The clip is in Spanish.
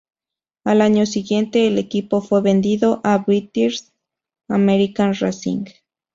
Al año siguiente el equipo fue vendido a British American Racing.